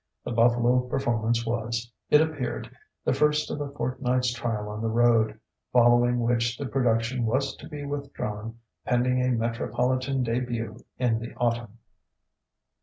The Buffalo performance was, it appeared, the first of a fortnight's trial on the road, following which the production was to be withdrawn pending a metropolitan début in the Autumn.